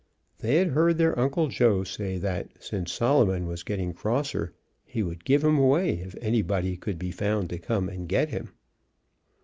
They had heard their Uncle Joe say that, since Solomon was getting crosser, he would give him away if anybody could be found to come and get him.